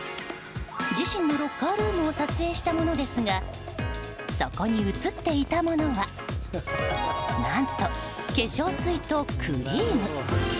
自身のロッカールームを撮影したものですがそこに写っていたものは何と、化粧水とクリーム。